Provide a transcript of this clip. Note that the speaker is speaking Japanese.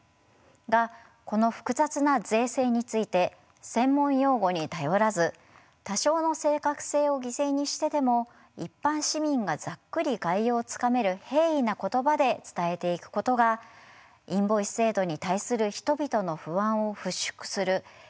がこの複雑な税制について専門用語に頼らず多少の正確性を犠牲にしてでも一般市民がざっくり概要をつかめる平易な言葉で伝えていくことがインボイス制度に対する人々の不安を払拭する一番の処方箋だと考えます。